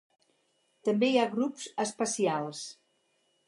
També hi ha grups espacials.